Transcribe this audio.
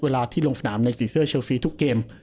เวลาที่ลงสนามในสีเสื้อเชลซีทุกเกม